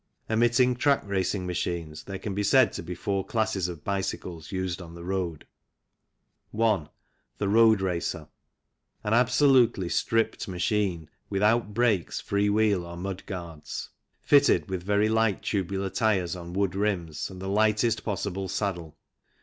Omitting track racing machines, there can be said to be four classes of bicycles used on the road. 1. The road racer. An absolutely stripped machine, THE WEIGHT QUESTION 83 without brakes, free wheel, or mud guards. Fitted with very light tubular tyres on wood rims and the lightest possible saddle.